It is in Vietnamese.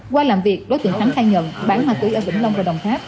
qua làm việc đối tượng thắng thay nhận bán ma túy ở vĩnh long và đồng tháp